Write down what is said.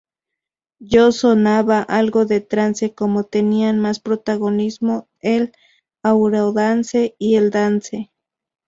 Ya sonaba algo de Trance, pero tenían más protagonismo el Eurodance y el Dance.